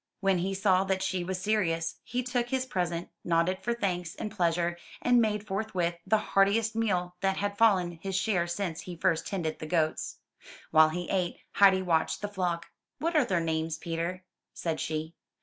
When he saw that she was serious, he took his present, nodded for thanks and pleasure, and made forthwith the heartiest meal that had fallen his share since he first tended the goats. While he ate, Heidi watched the flock. What are their names, Peter?'' said she.